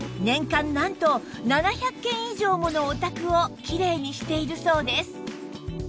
年間なんと７００軒以上ものお宅をきれいにしているそうです